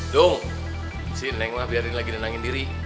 dung si neng lah biarin lagi nenangin diri